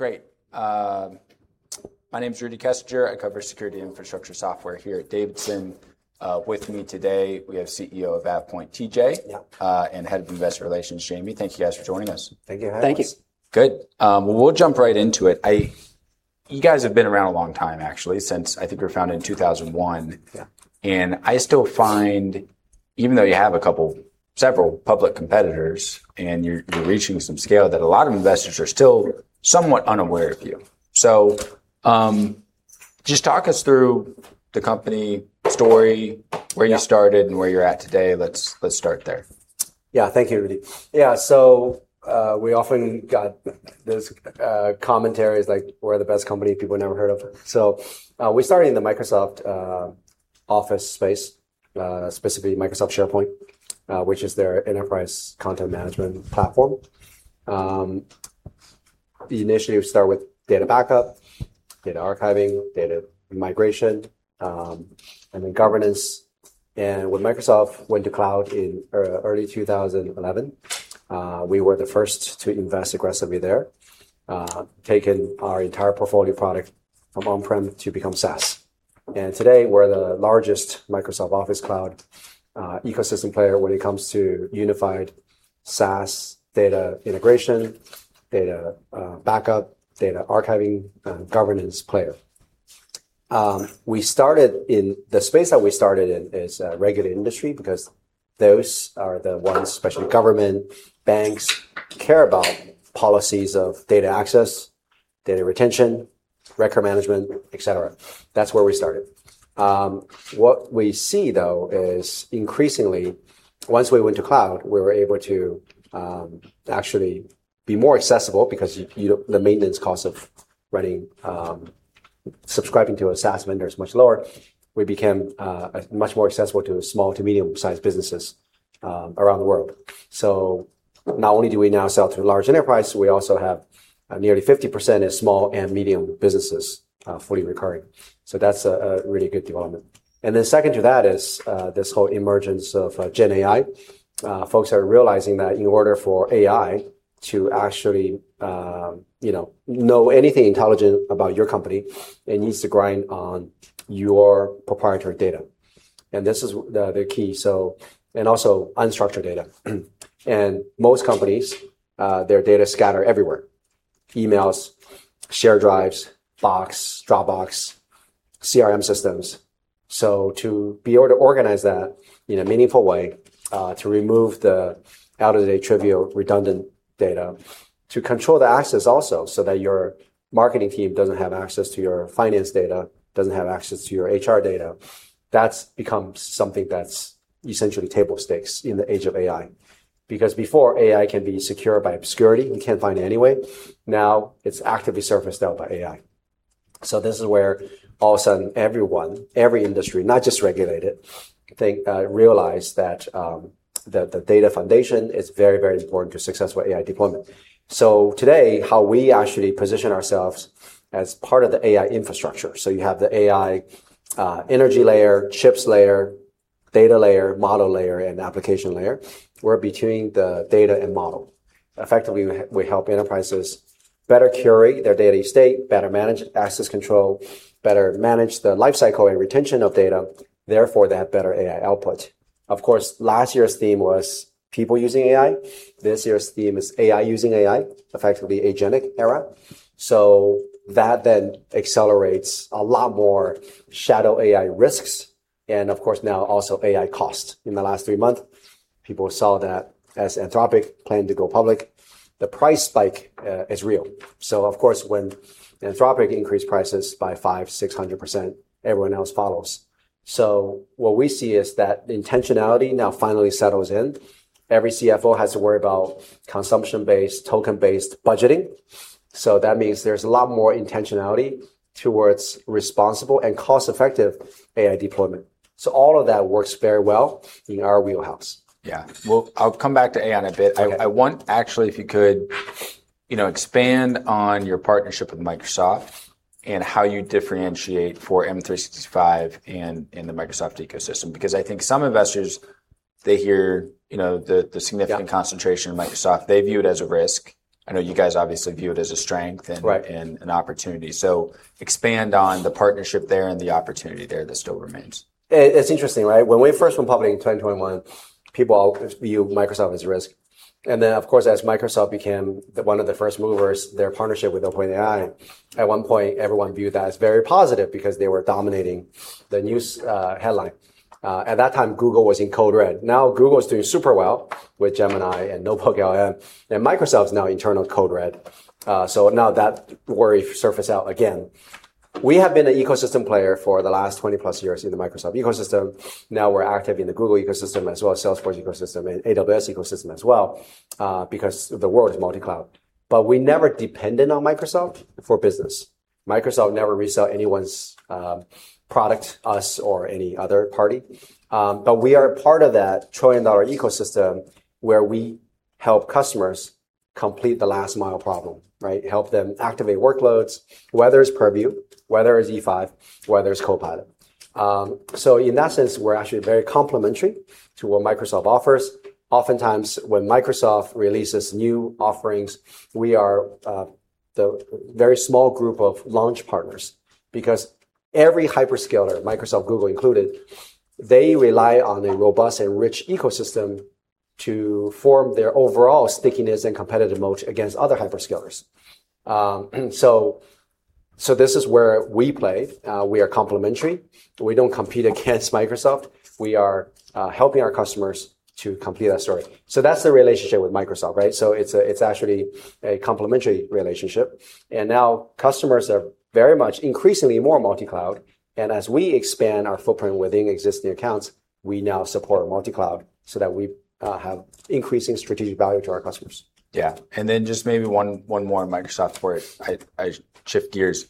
Great. My name's Rudy Kessinger. I cover security infrastructure software here at Davidson. With me today, we have CEO of AvePoint, TJ. Yeah. Head of Investor Relations, Jamie. Thank you guys for joining us. Thank you for having us. Thank you. Good. We'll jump right into it. You guys have been around a long time, actually. Since, I think you were founded in 2001. Yeah. I still find, even though you have several public competitors, and you're reaching some scale, that a lot of investors are still somewhat unaware of you. Just talk us through the company story, where you started and where you're at today. Let's start there. Thank you, Rudy. We often got those commentaries like we're the best company people never heard of. We started in the Microsoft Office space, specifically Microsoft SharePoint, which is their enterprise content management platform. Initially, we start with data backup, data archiving, data migration, and then governance. When Microsoft went to cloud in early 2011, we were the first to invest aggressively there, taking our entire portfolio product from on-prem to become SaaS. Today, we're the largest Microsoft Office Cloud ecosystem player when it comes to unified SaaS data integration, data backup, data archiving, and governance player. The space that we started in is regulated industry because those are the ones, especially government, banks, care about policies of data access, data retention, record management, et cetera. That's where we started. What we see, though, is increasingly, once we went to cloud, we were able to actually be more accessible because the maintenance cost of subscribing to a SaaS vendor is much lower. We became much more accessible to small to medium sized businesses around the world. Not only do we now sell to large enterprises, we also have nearly 50% is small and medium businesses, fully recurring. That's a really good development. Second to that is this whole emergence of GenAI. Folks are realizing that in order for AI to actually know anything intelligent about your company, it needs to grind on your proprietary data. This is the key. Also unstructured data. Most companies, their data's scattered everywhere, emails, share drives, Box, Dropbox, CRM systems. To be able to organize that in a meaningful way, to remove the out-of-date, trivial, redundant data. To control the access also, so that your marketing team doesn't have access to your finance data, doesn't have access to your HR data. That's become something that's essentially table stakes in the age of AI. Before, AI can be secure by obscurity, you can't find it anyway. Now it's actively surfaced out by AI. This is where all of a sudden, everyone, every industry, not just regulated, they realized that the data foundation is very, very important to successful AI deployment. Today, how we actually position ourselves as part of the AI infrastructure, so you have the AI energy layer, chips layer, data layer, model layer, and application layer. We're between the data and model. Effectively, we help enterprises better curate their data estate, better manage access control, better manage the life cycle and retention of data, therefore they have better AI output. Of course, last year's theme was people using AI. This year's theme is AI using AI, effectively agentic era. That then accelerates a lot more shadow AI risks. Of course, now also AI cost. In the last three months, people saw that as Anthropic planned to go public, the price spike is real. Of course, when Anthropic increased prices by 500%-600%, everyone else follows. What we see is that intentionality now finally settles in. Every CFO has to worry about consumption-based, token-based budgeting. That means there's a lot more intentionality towards responsible and cost-effective AI deployment. All of that works very well in our wheelhouse. Yeah. I'll come back to AI in a bit. Okay. I want, actually, if you could expand on your partnership with Microsoft and how you differentiate for M365 and in the Microsoft ecosystem. I think some investors, they hear the significant- Yeah concentration of Microsoft. They view it as a risk. I know you guys obviously view it as a strength and- Right an opportunity. Expand on the partnership there and the opportunity there that still remains. It's interesting, right? When we first went public in 2021, people viewed Microsoft as a risk. Then, of course, as Microsoft became one of the first movers, their partnership with OpenAI, at one point, everyone viewed that as very positive because they were dominating the news headline. At that time, Google was in code red. Now Google is doing super well with Gemini and NotebookLM, and Microsoft's now internal code red. Now that worry surfaced out again. We have been an ecosystem player for the last 20+ years in the Microsoft ecosystem. Now we're active in the Google ecosystem as well as Salesforce ecosystem and AWS ecosystem as well, because the world is multi-cloud. We never depended on Microsoft for business. Microsoft never resell anyone's product, us, or any other party. We are part of that trillion-dollar ecosystem where we help customers complete the last mile problem, right? Help them activate workloads, whether it's Purview, whether it's E5, whether it's Copilot. In that sense, we're actually very complementary to what Microsoft offers. Oftentimes, when Microsoft releases new offerings, we are the very small group of launch partners, because every hyperscaler, Microsoft, Google included, they rely on a robust and rich ecosystem to form their overall stickiness and competitive moat against other hyperscalers. This is where we play. We are complementary. We don't compete against Microsoft. We are helping our customers to complete that story. That's the relationship with Microsoft, right? It's actually a complementary relationship. Now customers are very much increasingly more multi-cloud. As we expand our footprint within existing accounts, we now support multi-cloud so that we have increasing strategic value to our customers. Then just maybe one more on Microsoft before I shift gears.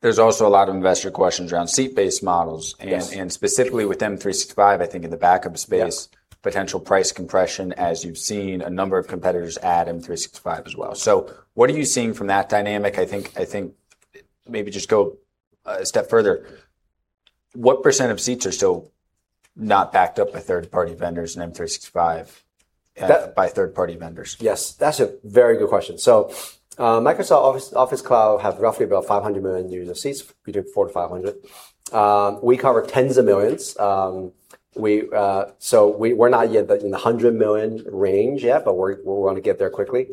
There's also a lot of investor questions around seat-based models. Yes. Specifically with M365, I think in the backup space. Yes potential price compression as you've seen a number of competitors add M365 as well. What are you seeing from that dynamic? I think maybe just go a step further. What percentage of seats are still not backed up by third-party vendors in M365, by third-party vendors? Yes, that's a very good question. Microsoft Office Cloud have roughly about 500 million user seats, between 4- 500. We cover tens of millions. We're not yet in the 100 million range yet, but we're going to get there quickly.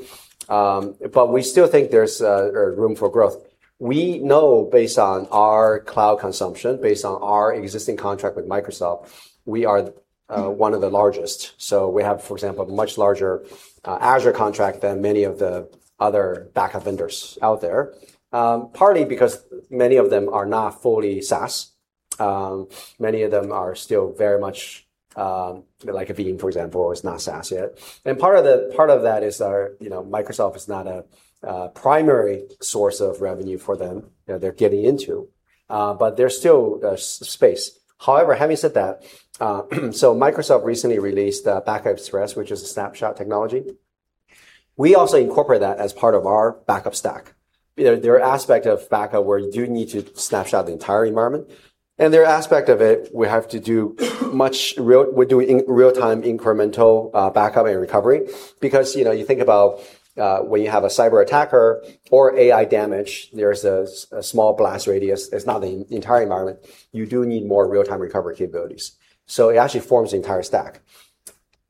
We still think there's room for growth. We know based on our cloud consumption, based on our existing contract with Microsoft, we are one of the largest. We have, for example, a much larger Azure contract than many of the other backup vendors out there. Partly because many of them are not fully SaaS. Many of them are still very much, like Veeam, for example, is not SaaS yet. Part of that is our, Microsoft is not a primary source of revenue for them, they're getting into. There's still space. However, having said that, Microsoft recently released Backup Express, which is a snapshot technology. We also incorporate that as part of our backup stack. There are aspect of backup where you do need to snapshot the entire environment, and there are aspect of it we're doing real-time incremental backup and recovery because, you think about when you have a cyber attacker or AI damage, there's a small blast radius. It's not the entire environment. You do need more real-time recovery capabilities. It actually forms the entire stack.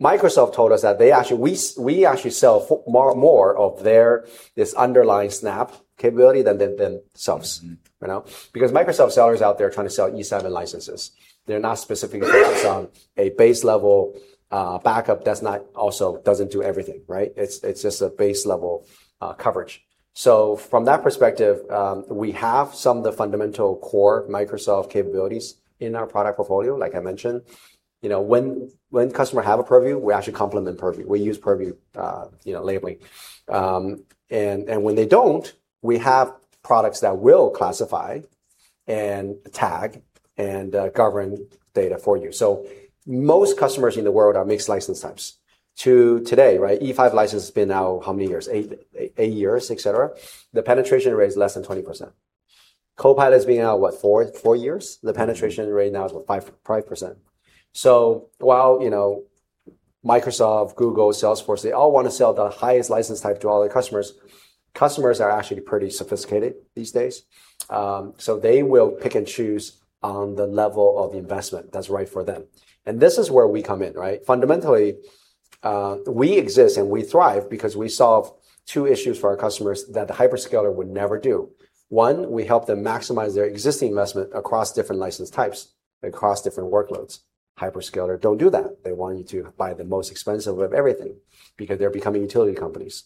Microsoft told us that we actually sell more of their, this underlying snap capability than themselves. Microsoft sellers out there are trying to sell E7 licenses. They're not specific licenses on a base level backup that's not also, doesn't do everything, right? It's just a base level coverage. From that perspective, we have some of the fundamental core Microsoft capabilities in our product portfolio, like I mentioned. When customer have a Purview, we actually complement Purvi ew. We use Purview lately. When they don't, we have products that will classify and tag and govern data for you. Most customers in the world are mixed license types. To today, right? E5 license has been out how many years? Eight years, et cetera. The penetration rate is less than 20%. Copilot's been out, what? four years. The penetration rate now is, what, 5%? While Microsoft, Google, Salesforce, they all want to sell the highest license type to all their customers are actually pretty sophisticated these days. They will pick and choose on the level of investment that's right for them. This is where we come in, right? Fundamentally, we exist, and we thrive because we solve two issues for our customers that the hyperscaler would never do. One, we help them maximize their existing investment across different license types and across different workloads. Hyperscaler don't do that. They want you to buy the most expensive of everything because they're becoming utility companies.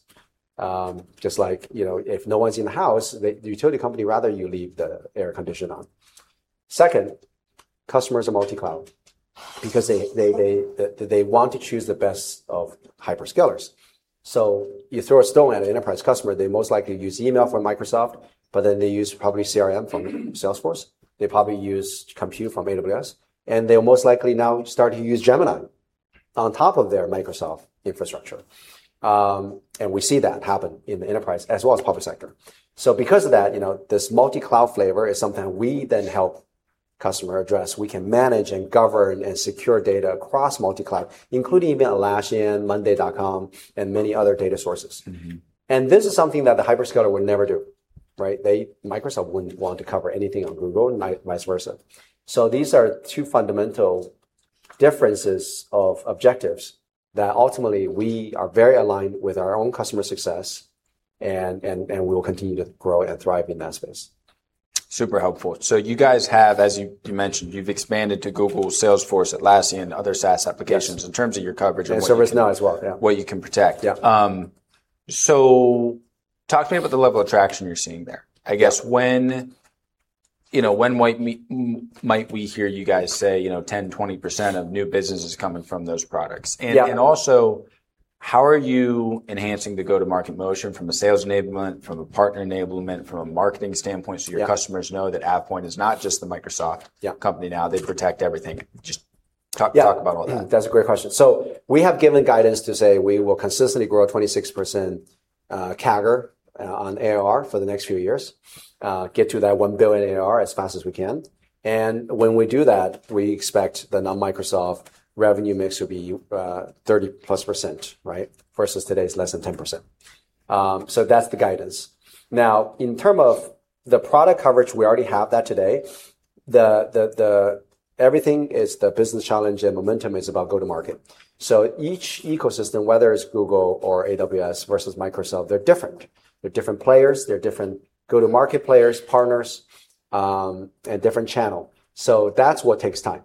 Just like, if no one's in the house, the utility company rather you leave the air condition on. Second, customers are multi-cloud because they want to choose the best of hyperscalers. You throw a stone at an enterprise customer, they most likely use email from Microsoft, but then they use probably CRM from Salesforce. They probably use Compute from AWS, and they'll most likely now start to use Gemini on top of their Microsoft infrastructure. We see that happen in the enterprise as well as public sector. Because of that, this multi-cloud flavor is something we then help customer address. We can manage and govern and secure data across multi-cloud, including even Atlassian, monday.com, and many other data sources. This is something that the hyperscaler would never do, right? Microsoft wouldn't want to cover anything on Google and vice versa. These are two fundamental differences of objectives that ultimately we are very aligned with our own customer success and we will continue to grow and thrive in that space. Super helpful. You guys have, as you mentioned, you've expanded to Google, Salesforce, Atlassian, other SaaS applications. Yes. In terms of your coverage and what- ServiceNow as well. Yeah what you can protect. Yeah. Talk to me about the level of traction you're seeing there. Yeah. I guess when might we hear you guys say 10%-20% of new business is coming from those products? Yeah. How are you enhancing the go-to-market motion from a sales enablement, from a partner enablement, from a marketing standpoint. Yeah Your customers know that AvePoint is not just the Microsoft- Yeah company now. They protect everything. Talk about all that. Yeah. That's a great question. We have given guidance to say we will consistently grow at 26% CAGR on ARR for the next few years, get to that $1 billion ARR as fast as we can. When we do that, we expect the non-Microsoft revenue mix will be 30+%, right? Versus today's less than 10%. That's the guidance. In term of the product coverage, we already have that today. Everything is the business challenge, and momentum is about go-to-market. Each ecosystem, whether it's Google or AWS versus Microsoft, they're different. They're different players, they're different go-to-market players, partners, and different channel. That's what takes time,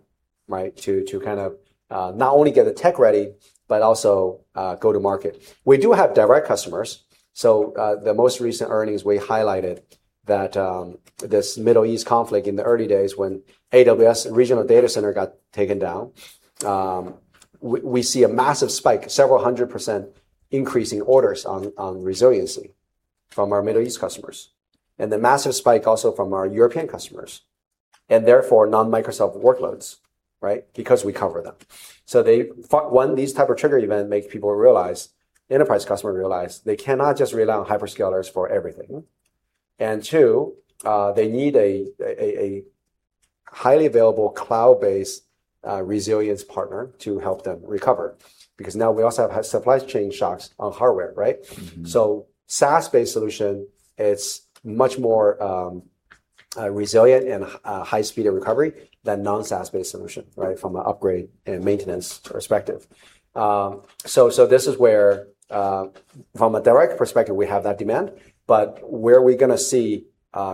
right? To kind of not only get the tech ready but also go-to-market. We do have direct customers. The most recent earnings, we highlighted that this Middle East conflict in the early days when AWS regional data center got taken down, we see a massive spike, several hundred percent increase in orders on resiliency from our Middle East customers. The massive spike also from our European customers, and therefore non-Microsoft workloads, right? Because we cover them. One, these type of trigger event make people realize, enterprise customer realize they cannot just rely on hyperscalers for everything. Two, they need a highly available, cloud-based, resilience partner to help them recover. Because now we also have supply chain shocks on hardware, right? SaaS-based solution, it's much more resilient and high speed of recovery than non-SaaS-based solution, right? From a upgrade and maintenance perspective. This is where, from a direct perspective, we have that demand, but where we're going to see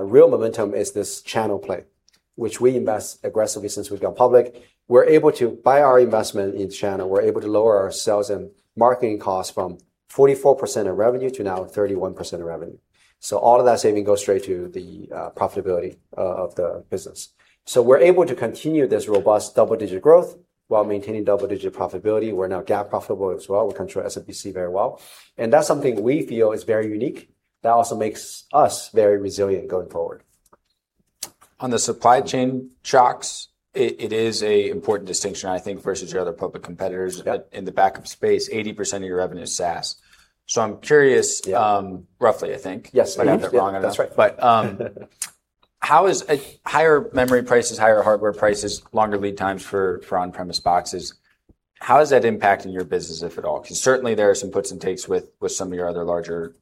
real momentum is this channel play, which we invest aggressively since we've gone public. By our investment in channel, we're able to lower our sales and marketing costs from 44% of revenue to now 31% of revenue. All of that saving goes straight to the profitability of the business. We're able to continue this robust double-digit growth while maintaining double-digit profitability. We're now GAAP profitable as well. We control SBC very well. That's something we feel is very unique, that also makes us very resilient going forward. On the supply chain shocks, it is a important distinction, I think, versus your other public competitors- Yeah in the backup space, 80% of your revenue is SaaS. I'm curious- Yeah roughly, I think. Yes. I got that wrong. That's right. Higher memory prices, higher hardware prices, longer lead times for on-premise boxes, how is that impacting your business, if at all? Certainly there are some puts and takes with some of your other larger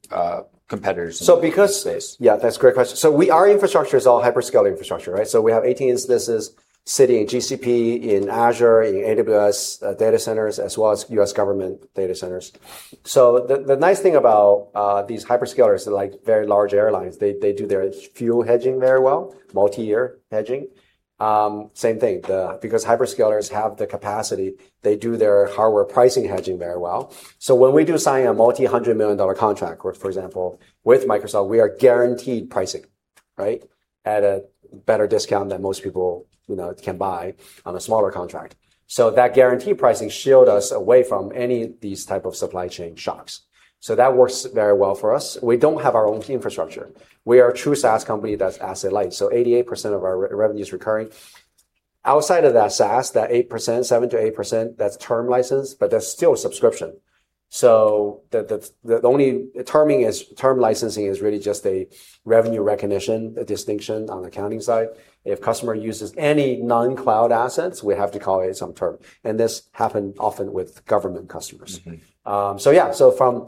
competitors. because in this space. Yeah, that's a great question. Our infrastructure is all hyperscaler infrastructure, right? We have 18 instances sitting in GCP, in Azure, in AWS data centers, as well as U.S. government data centers. The nice thing about these hyperscalers, they're like very large airlines. They do their fuel hedging very well, multi-year hedging. Same thing, because hyperscalers have the capacity, they do their hardware pricing hedging very well. When we do sign a multi $100 million contract, for example, with Microsoft, we are guaranteed pricing, right, at a better discount than most people can buy on a smaller contract. That guaranteed pricing shield us away from any these type of supply chain shocks. That works very well for us. We don't have our own infrastructure. We are a true SaaS company that's asset light, so 88% of our revenue is recurring. Outside of that SaaS, that 8%, 7%-8%, that's term license, but that's still subscription. The only terming is term licensing is really just a revenue recognition, a distinction on accounting side. If customer uses any non-cloud assets, we have to call it some term, and this happen often with government customers. Okay. Yeah. From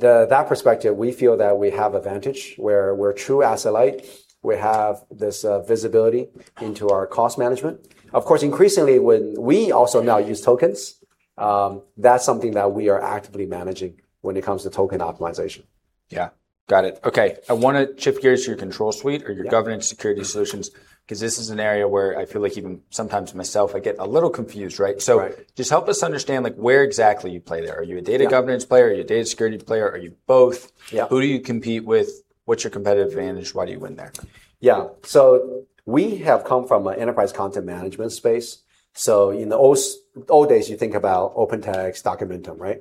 that perspective, we feel that we have advantage where we're true asset light. We have this visibility into our cost management. Of course, increasingly when we also now use tokens, that's something that we are actively managing when it comes to token optimization. Yeah. Got it. Okay. I want to shift gears to your Control Suite or your- Yeah governance security solutions, because this is an area where I feel like even sometimes myself, I get a little confused, right? Right. Just help us understand, like where exactly you play there. Are you a data governance- Yeah player? Are you a data security player? Are you both? Yeah. Who do you compete with? What's your competitive advantage? Why do you win there? We have come from a enterprise content management space. In the old days, you think about OpenText, Documentum, right?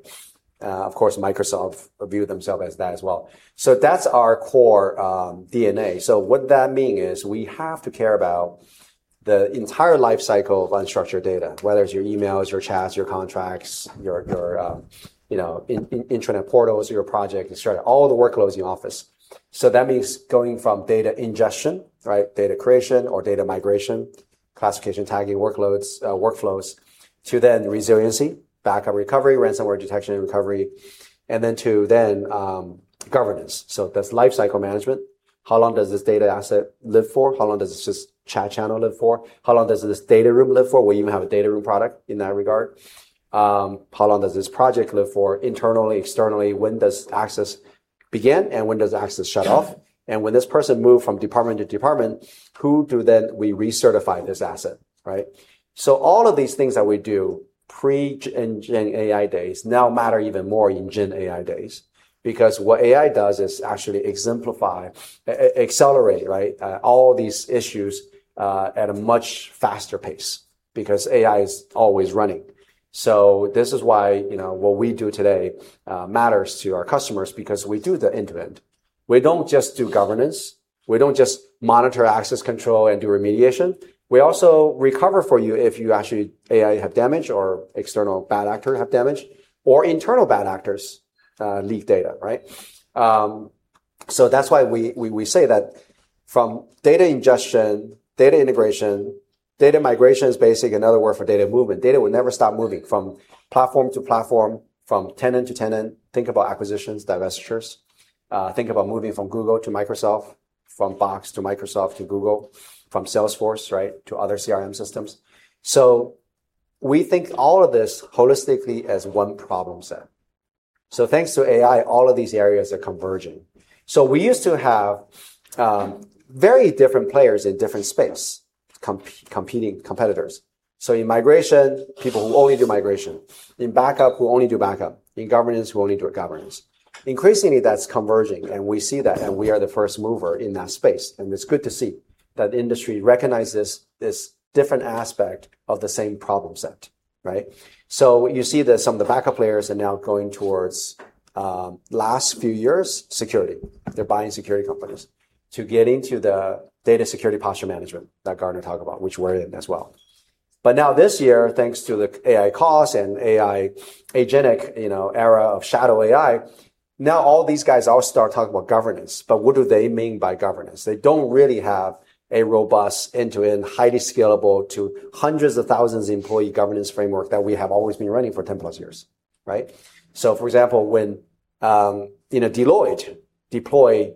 Of course, Microsoft view themself as that as well. That's our core DNA. What that mean is we have to care about the entire life cycle of unstructured data, whether it's your emails, your chats, your contracts, your internet portals, your project, et cetera, all the workloads in your office. That means going from data ingestion, right, data creation or data migration, classification, tagging, workloads, workflows, to then resiliency, backup recovery, ransomware detection and recovery, and then to then governance. That's life cycle management. How long does this data asset live for? How long does this chat channel live for? How long does this data room live for? We even have a data room product in that regard. How long does this project live for internally, externally? When does access begin, and when does access shut off? Yeah. When this person move from department to department, who do then we recertify this asset, right? All of these things that we do pre-GenAI days now matter even more in GenAI days. Because what AI does is actually exemplify, accelerate, right, all these issues at a much faster pace because AI is always running. This is why what we do today matters to our customers, because we do the end-to-end. We don't just do governance. We don't just monitor access control and do remediation. We also recover for you if you actually, AI have damage or external bad actor have damage, or internal bad actors leak data. That's why we say that from data ingestion, data integration, data migration is basically another word for data movement. Data will never stop moving from platform to platform, from tenant to tenant. Think about acquisitions, divestitures. Think about moving from Google to Microsoft, from Box to Microsoft to Google, from Salesforce to other CRM systems. We think all of this holistically as one problem set. Thanks to AI, all of these areas are converging. We used to have very different players in different space, competing competitors. In migration, people who only do migration. In backup, who only do backup. In governance, who only do governance. Increasingly, that's converging, and we see that, and we are the first mover in that space. It's good to see that industry recognize this different aspect of the same problem set. Right? You see that some of the backup players are now going towards, last few years, security. They're buying security companies to get into the Data Security Posture Management that Gartner talk about, which we're in as well. Now this year, thanks to the AI costs and AI agentic era of shadow AI, now all these guys all start talking about governance. What do they mean by governance? They don't really have a robust end-to-end, highly scalable to hundreds of thousands employee governance framework that we have always been running for 10 plus years. Right? For example, when Deloitte deploy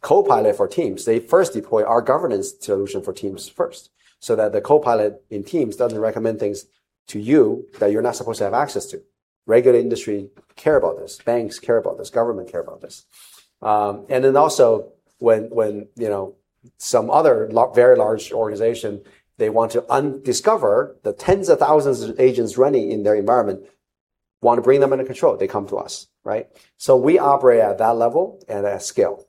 Copilot for Teams, they first deploy our governance solution for Teams first, so that the Copilot in Teams doesn't recommend things to you that you're not supposed to have access to. Regular industry care about this. Banks care about this. Government care about this. Then also when some other very large organization, they want to discover the tens of thousands of agents running in their environment, want to bring them under control, they come to us. Right? We operate at that level and at scale.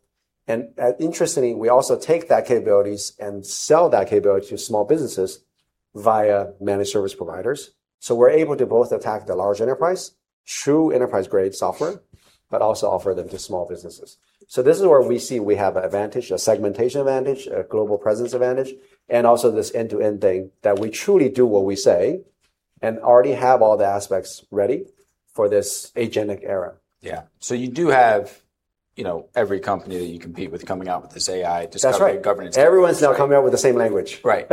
Interestingly, we also take that capabilities and sell that capability to small businesses via managed service providers. We're able to both attack the large enterprise through enterprise-grade software, but also offer them to small businesses. This is where we see we have advantage, a segmentation advantage, a global presence advantage, and also this end-to-end thing that we truly do what we say and already have all the aspects ready for this agentic era. Yeah. You do have every company that you compete with coming out with this AI discovery- That's right. governance. Everyone's now coming out with the same language. Right.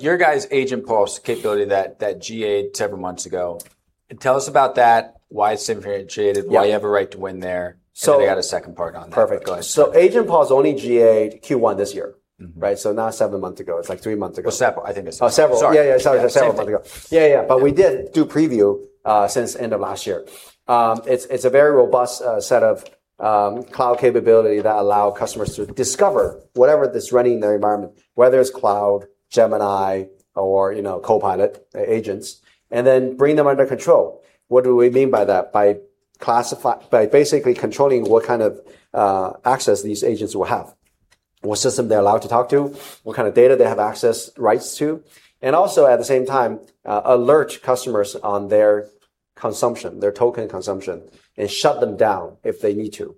your guys' AvePoint AgentPulse capability that GA'd several months ago, tell us about that, why it's differentiated? Yeah Why you have a right to win there? So- We got a second part on that. Perfect. Go ahead. AvePoint AgentPulse only GA'd Q1 this year. Right? Not seven months ago. It's like three months ago. Several, I think it's several. Several. Sorry. Yeah, yeah. Several month ago. Yeah, yeah. We did do preview since end of last year. It's a very robust set of cloud capability that allow customers to discover whatever that's running in their environment, whether it's cloud, Gemini, or Copilot agents, and then bring them under control. What do we mean by that? By basically controlling what kind of access these agents will have, what system they're allowed to talk to, what kind of data they have access rights to, and also at the same time, alert customers on their consumption, their token consumption, and shut them down if they need to.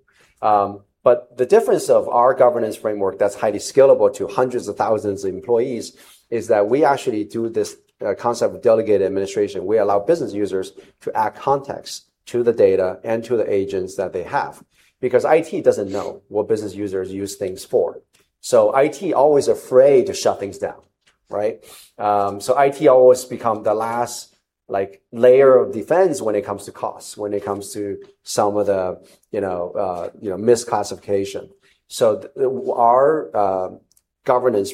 The difference of our governance framework that's highly scalable to hundreds of thousands of employees is that we actually do this concept of delegated administration. We allow business users to add context to the data and to the agents that they have. Because IT doesn't know what business users use things for. IT always afraid to shut things down. Right? IT always become the last layer of defense when it comes to costs, when it comes to some of the misclassification. Our governance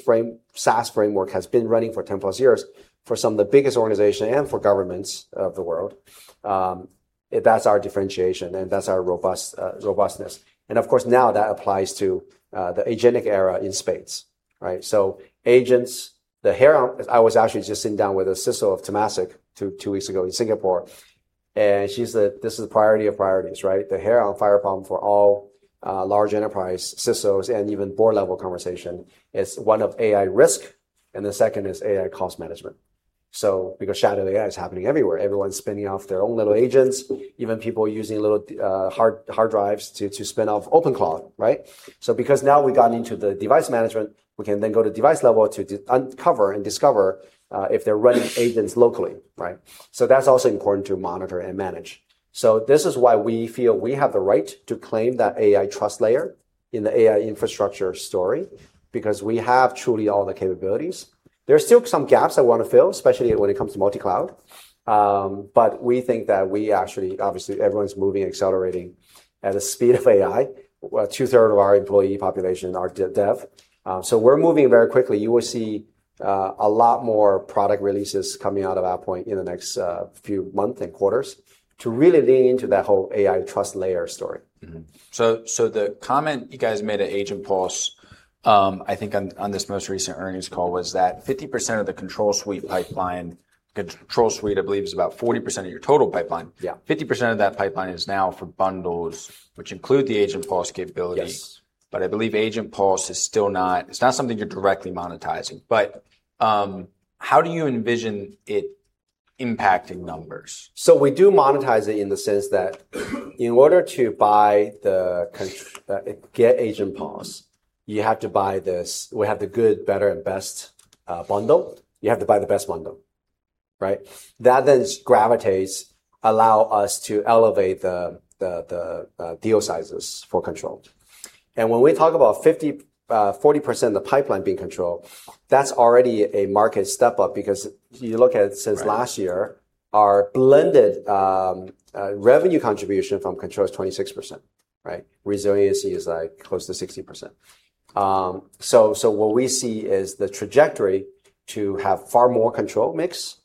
SaaS framework has been running for 10+ years for some of the biggest organization and for governments of the world. That's our differentiation, and that's our robustness. Of course, now that applies to the agentic era in spades. Right? Agents, I was actually just sitting down with the CISO of Temasek two weeks ago in Singapore. She said this is priority of priorities, right? The hair on fire problem for all large enterprise CISOs and even board level conversation is one of AI risk, and the second is AI cost management. Because shadow AI is happening everywhere. Everyone's spinning off their own little agents. Even people using little hard drives to spin off open cloud, right? Because now we got into the device management, we can then go to device level to uncover and discover if they're running agents locally, right? That's also important to monitor and manage. This is why we feel we have the right to claim that AI trust layer in the AI infrastructure story, because we have truly all the capabilities. There's still some gaps I want to fill, especially when it comes to multi-cloud. We think that we actually, obviously everyone's moving, accelerating at the speed of AI. Two-thirds of our employee population are dev. We're moving very quickly. You will see a lot more product releases coming out of AvePoint in the next few month and quarters to really lean into that whole AI trust layer story. Mm-hmm. The comment you guys made at AgentPulse, I think on this most recent earnings call, was that 50% of the Control Suite pipeline, Control Suite I believe is about 40% of your total pipeline. Yeah. 50% of that pipeline is now for bundles which include the AvePoint AgentPulse capability. Yes. I believe AvePoint AgentPulse is still not something you're directly monetizing. How do you envision it impacting numbers? We do monetize it in the sense that in order to get AgentPulse, we have the good, better and best bundle. You have to buy the best bundle, right? That then gravitates, allow us to elevate the deal sizes for Control. When we talk about 40% of the pipeline being Control, that's already a market step up because you look at since last year Right our blended revenue contribution from Control is 26%, right? Resiliency is close to 60%. What we see is the trajectory to have far more Control mix,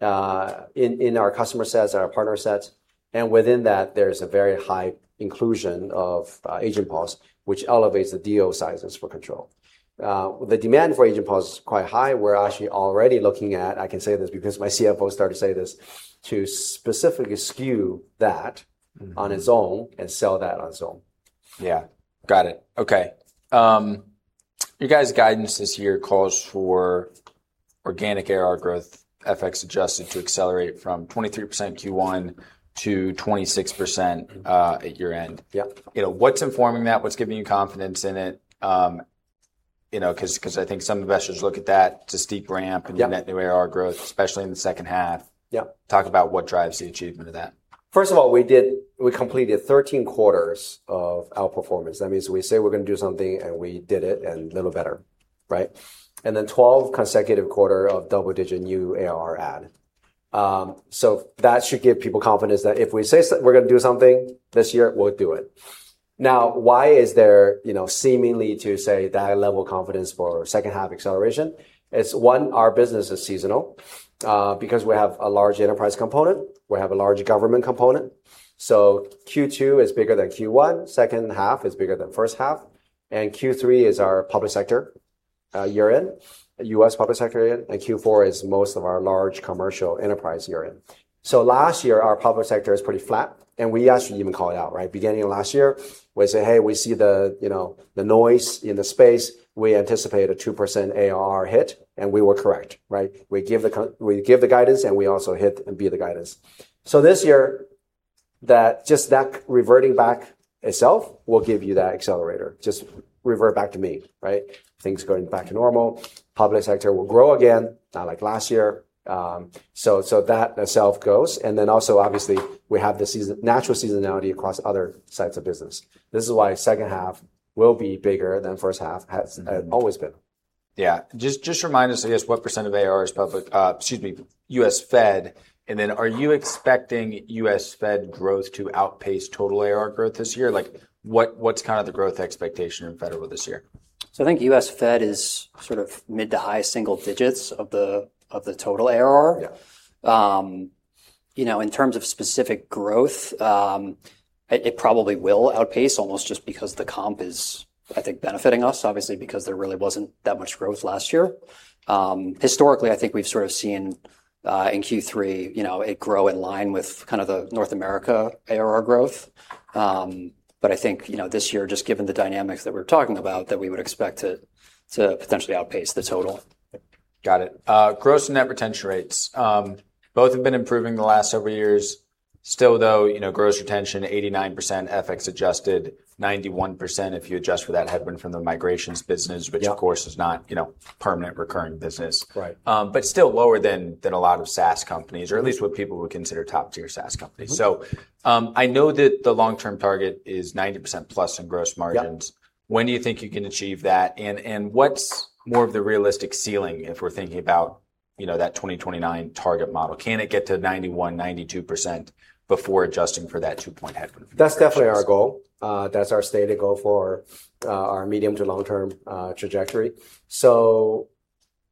in our customer sets, our partner sets, and within that there's a very high inclusion of AgentPulse, which elevates the deal sizes for Control. The demand for AgentPulse is quite high. We're actually already looking at, I can say this because my CFO started to say this, to specifically skew that on its own and sell that on its own. Yeah. Got it. Okay. Your guys' guidance this year calls for organic ARR growth FX adjusted to accelerate from 23% Q1 to 26%- at year-end. Yep. What's informing that? What's giving you confidence in it? I think some investors look at that, it's a steep ramp- Yep in net new ARR growth, especially in the second half. Yep. Talk about what drives the achievement of that. First of all, we completed 13 quarters of outperformance. That means we say we're going to do something, and we did it, and a little better, right? Then 12 consecutive quarter of double-digit new ARR add. That should give people confidence that if we say we're going to do something this year, we'll do it. Now, why is there seemingly to say that high level of confidence for second half acceleration? It's one, our business is seasonal, because we have a large enterprise component, we have a large government component. Q2 is bigger than Q1. Second half is bigger than first half, and Q3 is our public sector year-end, U.S. public sector year-end, and Q4 is most of our large commercial enterprise year-end. Last year our public sector is pretty flat, and we actually even call it out, right? Beginning of last year, we say, "Hey, we see the noise in the space. We anticipate a 2% ARR hit," and we were correct, right? We give the guidance, and we also hit and beat the guidance. This year, just that reverting back itself will give you that accelerator. Just revert back to mean, right? Things going back to normal. Public sector will grow again, not like last year. That itself goes, and then also obviously we have the natural seasonality across other sides of business. This is why second half will be bigger than first half. Has always been. Yeah. Just remind us, I guess, what percent of ARR is public, excuse me, U.S. Fed, and then are you expecting U.S. Fed growth to outpace total ARR growth this year? Like, what's the growth expectation in federal this year? I think U.S. Fed is mid to high single digits of the total ARR. Yeah. In terms of specific growth, it probably will outpace almost just because the comp is, I think, benefiting us obviously, because there really wasn't that much growth last year. Historically, I think we've seen, in Q3, it grow in line with the North America ARR growth. I think, this year, just given the dynamics that we're talking about, that we would expect to potentially outpace the total. Got it. Gross and net retention rates, both have been improving the last several years. Still though, gross retention, 89%, FX adjusted, 91% if you adjust for that headroom from the migrations business- Yep which of course is not permanent recurring business. Right. Still lower than a lot of SaaS companies or at least what people would consider top-tier SaaS companies. I know that the long-term target is 90% + in gross margins. Yep. When do you think you can achieve that, and what's more of the realistic ceiling if we're thinking about that 2029 target model? Can it get to 91%, 92% before adjusting for that two-point headroom from the migrations? That's definitely our goal. That's our stated goal for our medium to long-term trajectory.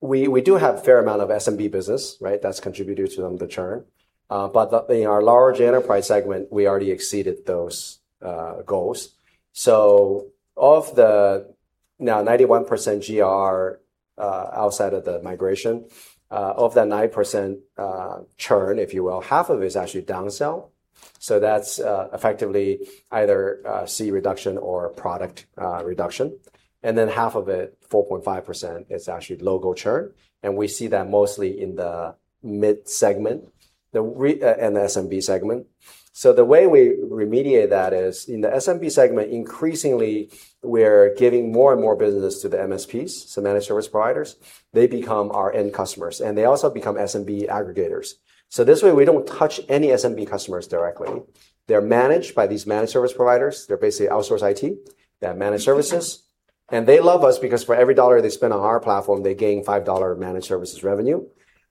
We do have a fair amount of SMB business, right? That's contributed to the churn. In our large enterprise segment, we already exceeded those goals. Of the now 91% GR outside of the migration, of that 9% churn, if you will, half of it is actually down sell. That's effectively either seat reduction or product reduction. Half of it, 4.5%, is actually logo churn, and we see that mostly in the mid segment and the SMB segment. The way we remediate that is in the SMB segment, increasingly, we're giving more and more business to the MSPs, managed service providers. They become our end customers, and they also become SMB aggregators. This way we don't touch any SMB customers directly. They're managed by these managed service providers. They're basically outsource IT. They have managed services, and they love us because for every dollar they spend on our platform, they gain $5 managed services revenue.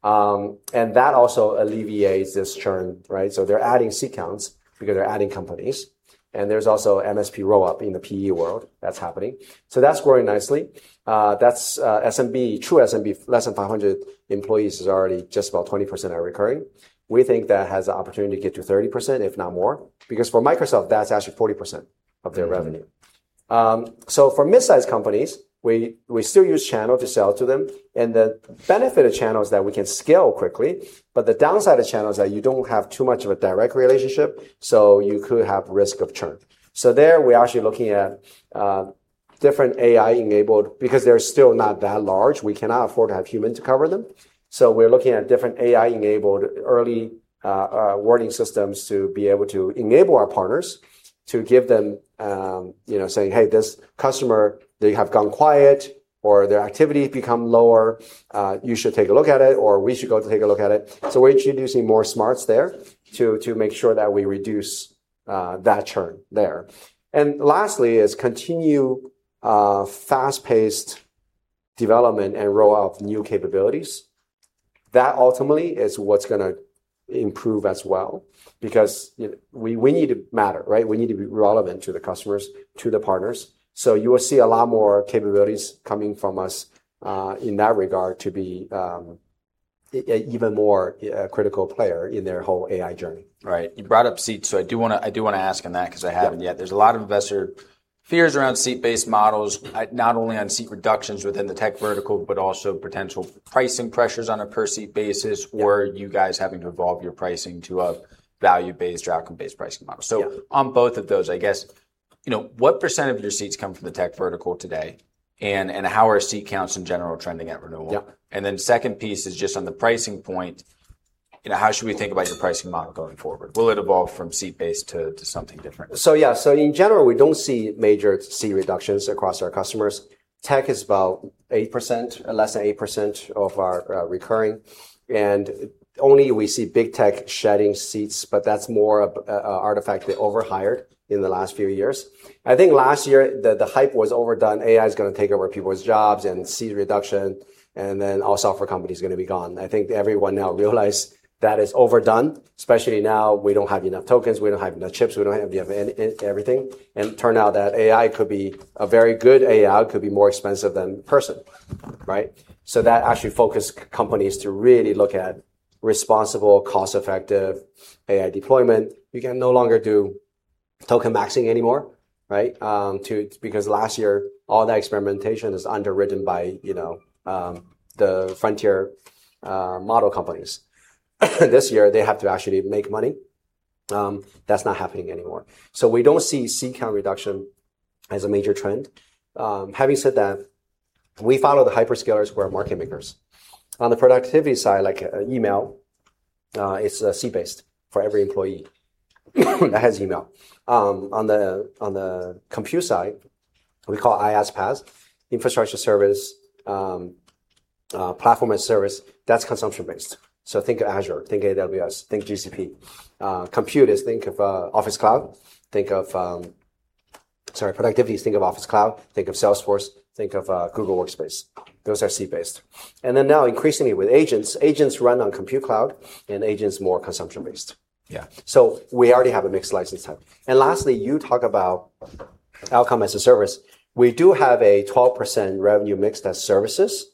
That also alleviates this churn, right? They're adding seat counts because they're adding companies, and there's also MSP roll-up in the PE world that's happening. That's growing nicely. That's SMB, true SMB, less than 500 employees is already just about 20% are recurring. We think that has the opportunity to get to 30%, if not more. Because for Microsoft, that's actually 40% of their revenue. For mid-size companies, we still use channel to sell to them, and the benefit of channel is that we can scale quickly, but the downside of channel is that you don't have too much of a direct relationship, you could have risk of churn. There we're actually looking at different AI-enabled, because they're still not that large, we cannot afford to have humans to cover them. We're looking at different AI-enabled early warning systems to be able to enable our partners, to give them, saying, "Hey, this customer, they have gone quiet," or, "Their activity has become lower. You should take a look at it," or, "We should go take a look at it." We're introducing more smarts there to make sure that we reduce that churn there. Lastly, is continue fast-paced development and roll-out of new capabilities. That ultimately is what's going to improve as well because we need to matter, right? We need to be relevant to the customers, to the partners. You will see a lot more capabilities coming from us, in that regard, to be a even more critical player in their whole AI journey. Right. You brought up seats, so I do want to ask on that because I haven't yet. Yep. There's a lot of investor fears around seat-based models, not only on seat reductions within the tech vertical, but also potential pricing pressures on a per-seat basis. Yeah You guys having to evolve your pricing to a value-based or outcome-based pricing model. Yeah. on both of those, I guess, what percent of your seats come from the tech vertical today, and how are seat counts in general trending at renewal? Yep. second piece is just on the pricing point, how should we think about your pricing model going forward? Will it evolve from seat-based to something different? in general, we don't see major seat reductions across our customers. Tech is about 8%, less than 8% of our recurring, and only we see big tech shedding seats, but that's more of an artifact they overhired in the last few years. I think last year, the hype was overdone, AI's going to take over people's jobs and seat reduction, and then all software companies are going to be gone. I think everyone now realize that is overdone, especially now we don't have enough tokens, we don't have enough chips, we don't have enough everything. turn out that AI could be, a very good AI could be more expensive than person. Right? That actually focused companies to really look at responsible, cost-effective AI deployment. We can no longer do token maxing anymore, right? Last year, all that experimentation is underwritten by the frontier model companies. This year, they have to actually make money. That's not happening anymore. We don't see seat count reduction as a major trend. Having said that, we follow the hyperscalers who are market makers. On the productivity side, like email, it's seat-based for every employee that has email. On the compute side, we call IaaS, PaaS, Infrastructure as a Service, Platform as a Service, that's consumption-based. Think Azure, think AWS, think GCP. Compute is think of Office Cloud, think of Sorry, productivity is think of Office Cloud, think of Salesforce, think of Google Workspace. Those are seat-based. now increasingly with agents run on compute cloud, and agents more consumption-based. Yeah. We already have a mixed license type. Lastly, you talk about outcome as a service. We do have a 12% revenue mix that's services.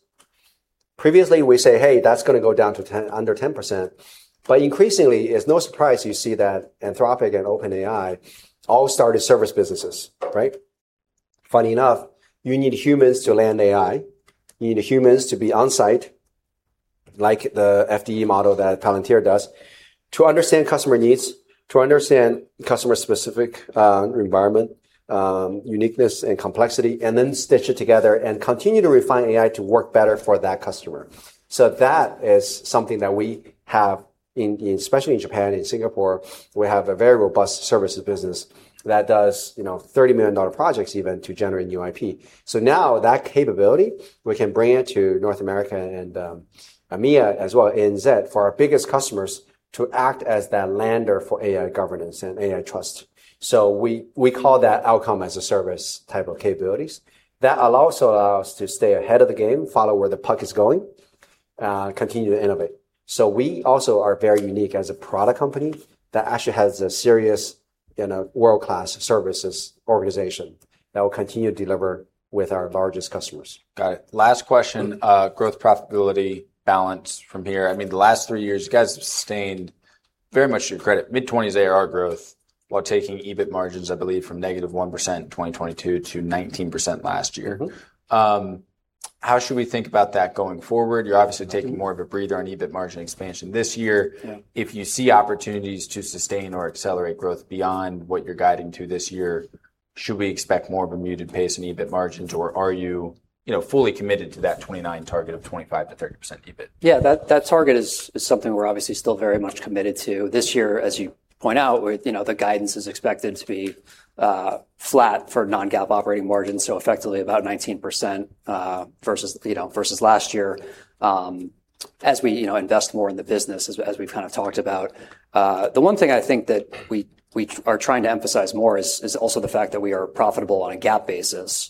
Previously, we say, "Hey, that's going to go down to under 10%." Increasingly, it's no surprise you see that Anthropic and OpenAI all started service businesses, right? Funny enough, you need humans to land AI. You need humans to be on-site, like the FDE model that Palantir does, to understand customer needs, to understand customer-specific environment, uniqueness, and complexity, and then stitch it together and continue to refine AI to work better for that customer. That is something that we have in, especially in Japan, in Singapore, we have a very robust services business that does $30 million projects even to generate new IP. Now that capability, we can bring it to North America and EMEA as well, and set for our biggest customers to act as that lander for AI governance and AI trust. We call that outcome as a service type of capabilities. That also allows us to stay ahead of the game, follow where the puck is going, continue to innovate. We also are very unique as a product company that actually has a serious world-class services organization that will continue to deliver with our largest customers. Got it. Last question, growth profitability balance from here. The last three years, you guys have sustained, very much to your credit, mid-20s ARR growth while taking EBIT margins, I believe, from -1% in 2022 to 19% last year. How should we think about that going forward? You're obviously taking more of a breather on EBIT margin expansion this year. Yeah. If you see opportunities to sustain or accelerate growth beyond what you're guiding to this year, should we expect more of a muted pace in EBIT margins, or are you fully committed to that 2029 target of 25%-30% EBIT? Yeah, that target is something we're obviously still very much committed to. This year, as you point out, the guidance is expected to be flat for non-GAAP operating margins, so effectively about 19% versus last year, as we invest more in the business, as we've talked about. The one thing I think that we are trying to emphasize more is also the fact that we are profitable on a GAAP basis,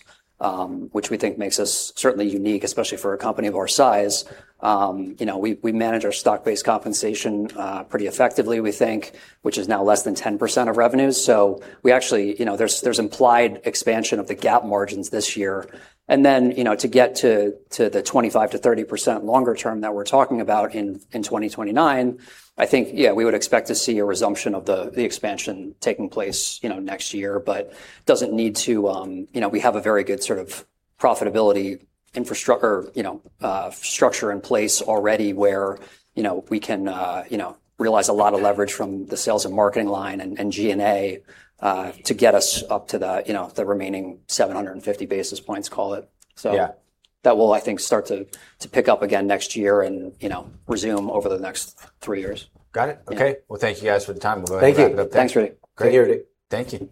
which we think makes us certainly unique, especially for a company of our size. We manage our stock-based compensation pretty effectively, we think, which is now less than 10% of revenue. There's implied expansion of the GAAP margins this year. Then, to get to the 25%-30% longer term that we're talking about in 2029, I think, yeah, we would expect to see a resumption of the expansion taking place next year. It doesn't need to. We have a very good sort of profitability infrastructure in place already where we can realize a lot of leverage from the sales and marketing line and G&A to get us up to the remaining 750 basis points, call it. Yeah. That will, I think, start to pick up again next year and resume over the next three years. Got it. Okay. Well, thank you guys for the time. We'll go ahead and wrap it up there. Thank you. Thanks, Rudy. Great hearing you. Thank you.